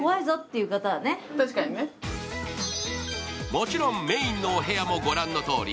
もちろんメインのお部屋もご覧のとおり。